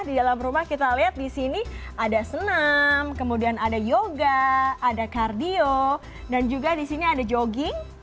di dalam rumah kita lihat di sini ada senam kemudian ada yoga ada kardio dan juga di sini ada jogging